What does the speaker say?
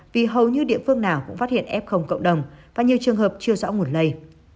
vì hầu như địa phương nào cũng phát hiện f cộng đồng và nhiều trường hợp chưa rõ nguồn lây